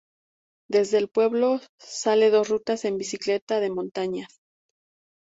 Desde el pueblo, sale dos rutas de bicicleta de montaña.